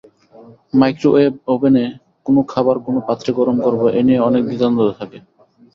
Microwave ওভেনে কোন খাবার কোন পাত্রে গরম করব—এ নিয়ে অনেক দ্বিধাদ্বন্দ্ব থাকে।